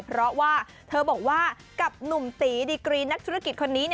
เพราะว่าเธอบอกว่ากับหนุ่มตีดีกรีนักธุรกิจคนนี้